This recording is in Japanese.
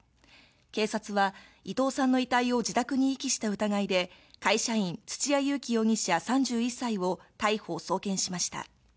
警察は伊藤さんの遺体を自宅に遺棄した疑いで、会社員、土屋勇貴容疑者３１歳を逮捕・送検しました。